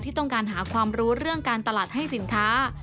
ต้องการหาความรู้เรื่องการตลาดให้สินค้า